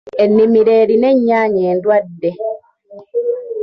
Ennimiro erina ennyaanya endwadde.